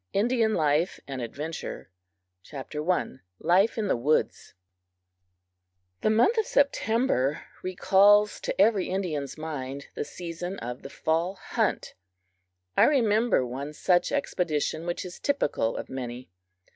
INDIAN LIFE AND ADVENTURE I: Life in the Woods THE month of September recalls to every Indian's mind the season of the fall hunt. I remember one such expedition which is typical of many.